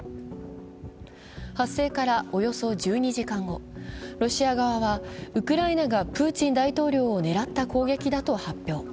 発生からおよそ１２時間後、ロシア側は、ウクライナがプーチン大統領を狙った攻撃だと発表。